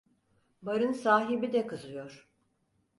Barın sahibi de kızıyor…